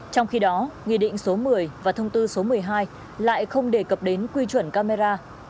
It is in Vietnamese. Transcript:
trong khi đó nghị định số một mươi và thông tư số một mươi hai lại không đề cập đến quy chuẩn camera